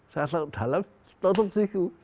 saya masuk ke dalam tutup situ